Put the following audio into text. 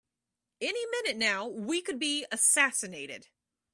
Any minute now we could be assassinated!